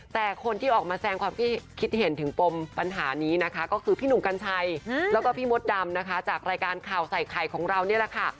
แต่คนที่ออกมาแสงความคิดเห็นถึงปมปัญหานี้นะคะก็คือพี่หนุ่มกัญชัยแล้วก็พี่มดดำนะคะจากรายการข่าวใส่ไข่ของเรานี่แหละค่ะ